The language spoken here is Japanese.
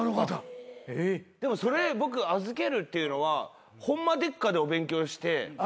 でもそれ僕預けるっていうのは『ホンマでっか！？』でお勉強して。